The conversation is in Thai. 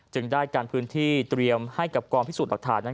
ได้กันพื้นที่เตรียมให้กับกองพิสูจน์หลักฐานนั้น